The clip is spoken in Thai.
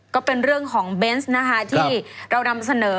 ก็เป็นเรื่องของเบนส์นะคะที่เรานำเสนอ